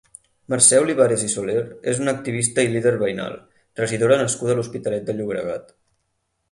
Mercè Olivares Soler és una activista i líder veïnal, regidora nascuda a l'Hospitalet de Llobregat.